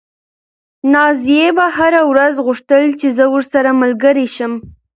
نازيې به هره ورځ غوښتل چې زه ورسره ملګرې شم.